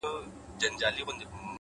ژورې ریښې سخت طوفانونه زغمي’